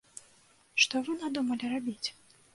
Што вы надумалі рабіць?